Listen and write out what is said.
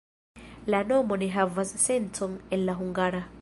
La nomo ne havas sencon en la hungara.